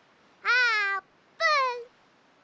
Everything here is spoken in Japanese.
あーぷん。